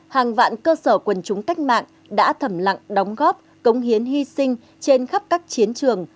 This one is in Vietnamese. hàng vạn cơ sở quần chúng cách mạng đã thẩm lặng đóng góp cống hiến hy sinh trên khắp các chiến trường